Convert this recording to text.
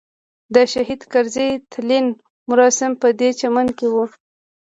د شهید کرزي تلین مراسم په دې چمن کې وو.